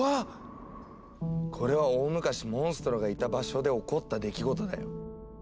これは大昔モンストロがいた場所で起こった出来事だよ。